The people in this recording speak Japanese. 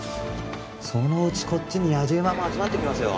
そのうちこっちにやじ馬も集まってきますよ